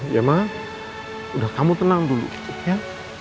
ya ma udah kamu tenang dulu ya